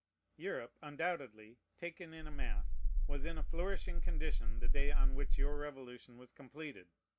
Europe, undoubtedly, taken in a mass, was in a flourishing condition the day on which your Revolution was completed.